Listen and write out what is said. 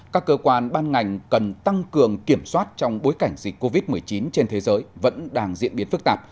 các cơ quan ban ngành cần tăng cường kiểm soát trong bối cảnh dịch covid một mươi chín trên thế giới vẫn đang diễn biến phức tạp